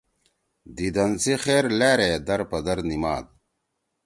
دیدن سی خیر لأرے درپدر نیِماد